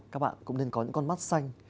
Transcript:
các bạn cũng nên có những con mắt xanh